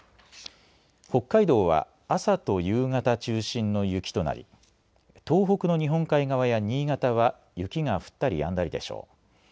北海道は朝と夕方中心の雪となり東北の日本海側や新潟は雪が降ったりやんだりでしょう。